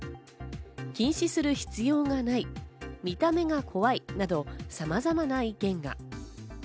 禁止する必要がない、見た目が怖いなど、様々な意見が。